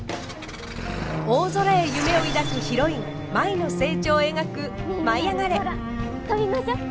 大空へ夢を抱くヒロイン舞の成長を描く「舞いあがれ！」。